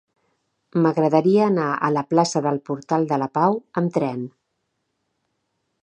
M'agradaria anar a la plaça del Portal de la Pau amb tren.